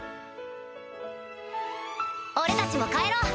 俺たちも帰ろう！